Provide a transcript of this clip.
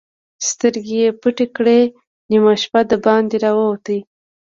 سترګې يې پټې کړې، نيمه شپه د باندې را ووت.